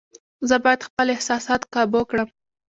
زه باید خپل احساسات قابو کړم.